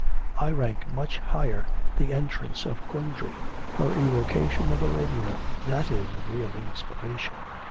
I rank much higher the entrance of Kundry her evocation of Arabia.... That is a real inspiration!